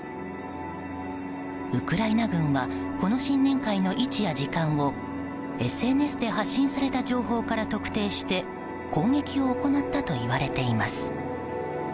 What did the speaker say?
ウクライナ軍はこの新年会の位置や時間をＳＮＳで発信された情報から特定して攻撃を行ったといわれています。